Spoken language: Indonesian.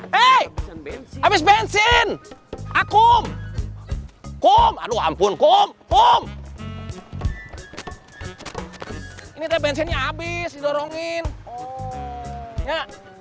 habis bensin akung kum aduh ampun kum kum ini bensinnya habis didorongin ya